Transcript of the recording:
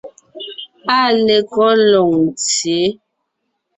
Áa lekɔ́ Loŋtsyě?